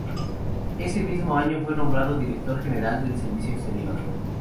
Ese mismo año fue nombrado Director General del Servicio Exterior.